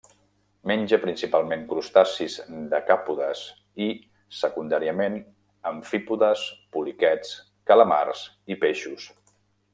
Menja principalment crustacis decàpodes i, secundàriament, amfípodes, poliquets, calamars i peixos.